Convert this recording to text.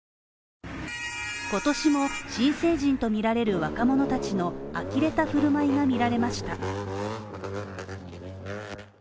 今年も新成人とみられる若者たちの呆れた振る舞いが見られました。